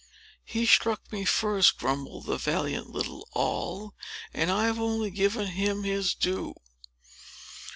"He struck me first," grumbled the valiant little Noll; "and I've only given him his due."